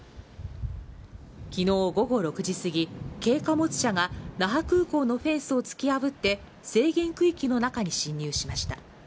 きのう午後６時過ぎ、軽貨物車が那覇空港のフェンスを突き破って制限区域の中に侵入しました。